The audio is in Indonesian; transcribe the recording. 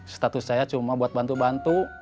status saya cuma buat bantu bantu